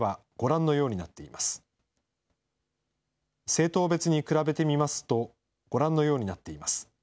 政党別に比べてみますと、ご覧のようになっています。